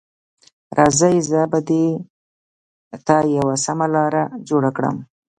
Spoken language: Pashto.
راځئ، زه به دې ته یوه سمه لاره جوړه کړم.